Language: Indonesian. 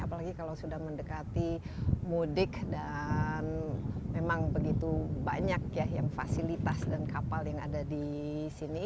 apalagi kalau sudah mendekati mudik dan memang begitu banyak ya yang fasilitas dan kapal yang ada di sini